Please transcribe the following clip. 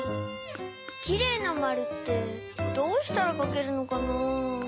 きれいなまるってどうしたらかけるのかなぁ。